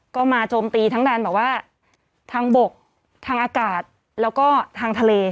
ก็มาโจมตีทั้งดันแบบว่าทางบกทางอากาศแล้วก็ทางทะเล